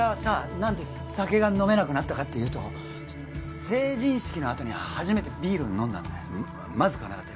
なんで酒が飲めなくなったかっていうとその成人式のあとに初めてビール飲んだんだまずくはなかったよ